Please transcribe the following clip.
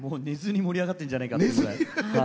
寝ずに盛り上がってるんじゃないか。